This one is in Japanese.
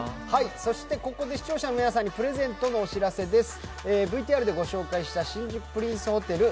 ここで視聴者の皆さんにプレゼントのお知らせです。